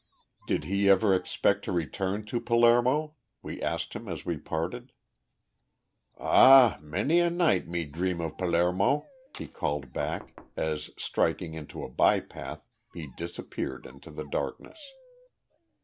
Did he ever expect to return to Palermo? we asked him as we parted. "Ah! many a night me dream of Pal aer mo," he called back, as, striking into a by path, he disappeared in the darkness.